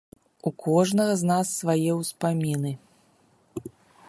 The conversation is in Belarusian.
У кожнага з нас свае ўспаміны.